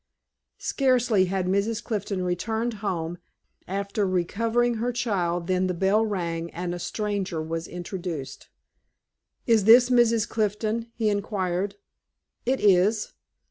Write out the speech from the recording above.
Scarcely had Mrs. Clifton returned home, after recovering her child, than the bell rang, and a stranger was introduced. "Is this Mrs. Clifton?" he inquired. "It is."